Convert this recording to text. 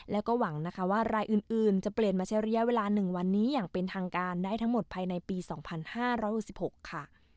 แล้วก็หวังนะคะว่ารายอื่นจะเปลี่ยนมาใช้ระยะเวลา๑วันนี้อย่างเป็นทางการได้ทั้งหมดภายในปี๒๕๖๖ค่ะ